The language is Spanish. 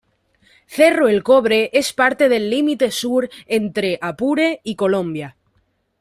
Cerro el Cobre es parte del límite sur entre Apure y Colombia.